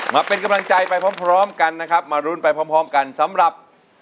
มาเป็นกำลังใจไปพร้อมกันนะครับมารุ้นไปพร้อมกันสำหรับ